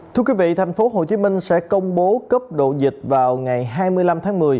thưa quý vị thành phố hồ chí minh sẽ công bố cấp độ dịch vào ngày hai mươi năm tháng một mươi